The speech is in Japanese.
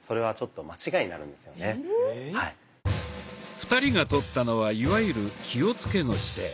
２人がとったのはいわゆる「気をつけ」の姿勢。